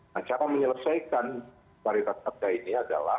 nah cara menyelesaikan varitas harga ini adalah